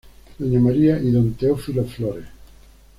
Doña María y Don Teófilo Flores.